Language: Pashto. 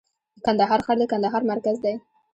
د کندهار ښار د کندهار مرکز دی